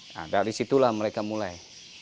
nah dari situlah mereka mulai